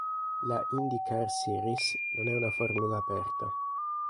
La IndyCar Series non è una formula aperta.